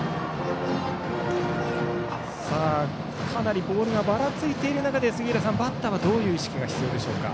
かなりボールがばらついている中杉浦さん、バッターはどういう仕掛けが必要でしょうか。